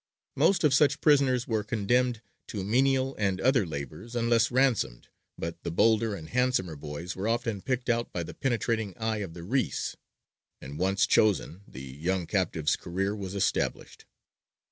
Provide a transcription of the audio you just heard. Most of such prisoners were condemned to menial and other labour, unless ransomed; but the bolder and handsomer boys were often picked out by the penetrating eye of the reïs, and once chosen the young captive's career was established.